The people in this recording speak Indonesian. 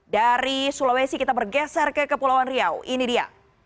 dari sulawesi kita bergeser ke kepulauan riau ini dia